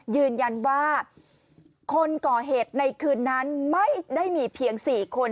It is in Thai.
ยืนยันว่าคนก่อเหตุในคืนนั้นไม่ได้มีเพียง๔คน